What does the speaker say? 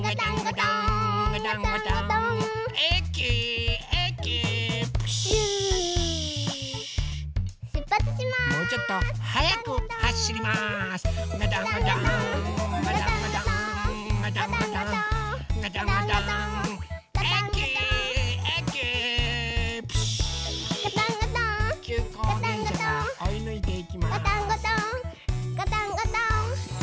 ガタンゴトーンガタンゴトーン。